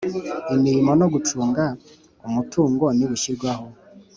Imirimo no gucunga umutungo ni bushyirwaho